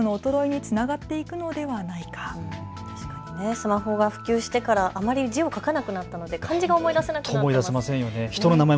スマホが普及してからあまり字を書かなくなったので漢字が思い出せなくなって。